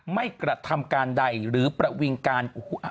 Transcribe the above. ไม่กระทำการใดหรือประวิงการ